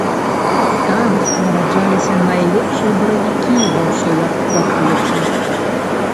Там нараджаліся найлепшыя баравікі ва ўсёй ваколіцы.